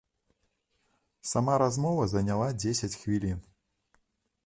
Сама размова заняла дзесяць хвілін.